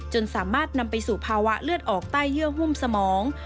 จนสามารถนำไปสู่ภาวะเลือดออกใต้เยื่อหุ้มสมอง